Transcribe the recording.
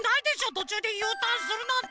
とちゅうでユーターンするなんて。